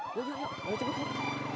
udah liat yuk ayo cepet cepet